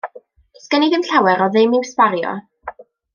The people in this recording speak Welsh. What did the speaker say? Does gen i ddim llawer o ddim i'w sbario.